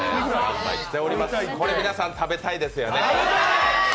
これ、皆さん、食べたいですよね。